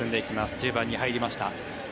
中盤に入りました。